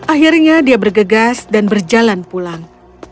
akhirnya dia bergegas dan berjalan pulang